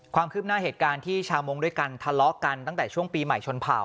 ความคืบหน้าเหตุการณ์ที่ชาวมงค์ด้วยกันทะเลาะกันตั้งแต่ช่วงปีใหม่ชนเผ่า